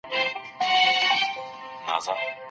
د فقیرانو غږ واورئ.